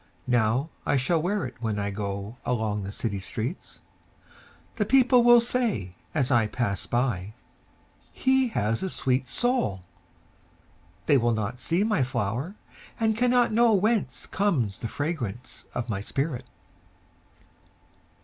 Now I shall wear itWhen I goAlong the city streets:The people will sayAs I pass by—"He has a sweet soul!"They will not see my flower, And cannot knowWhence comes the fragrance of my spirit!